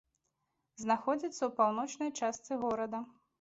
Знаходзіцца ў паўночнай частцы горада.